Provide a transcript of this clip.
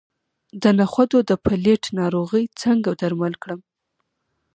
د نخودو د پیلټ ناروغي څنګه درمل کړم؟